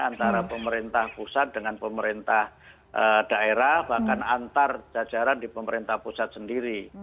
antara pemerintah pusat dengan pemerintah daerah bahkan antar jajaran di pemerintah pusat sendiri